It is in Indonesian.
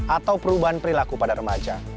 atau perubahan perilaku pada remaja